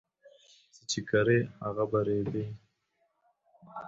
څه چې کرې، هغه به ريبې